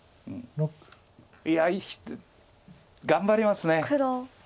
いや頑張りますね。